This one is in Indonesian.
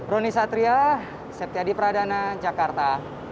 roni satria septyadi pradana jakarta